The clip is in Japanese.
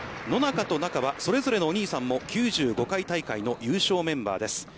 野中と中は、それぞれのお兄さんも９５回大会の優勝メンバーです。